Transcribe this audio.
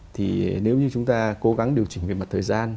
thì nếu như chúng ta cố gắng điều chỉnh về mặt thời gian